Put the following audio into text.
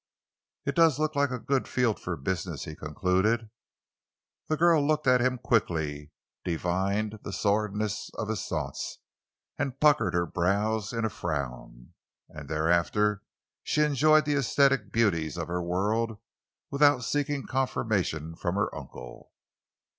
"It does look like a good field for business," he conceded. The girl looked at him quickly, divined the sordidness of his thoughts, and puckered her brows in a frown. And thereafter she enjoyed the esthetic beauties of her world without seeking confirmation from her uncle.